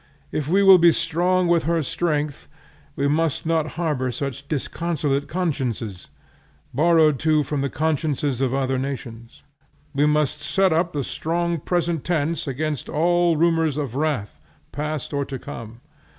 If we will be strong with her strength we must not harbor such disconsolate consciences, borrowed too from the consciences of other nations. We must set up the strong present tense against all the rumors of wrath, past or to come.